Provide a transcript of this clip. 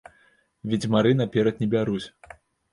Ведзьмары наперад не бяруць.